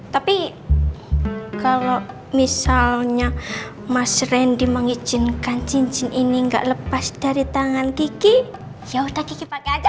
tapi kalau misalnya mas randy mengizinkan cincin ini nggak lepas dari tangan gigi ya udah gigi pakai aja